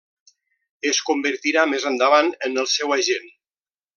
Es convertirà més endavant en el seu agent.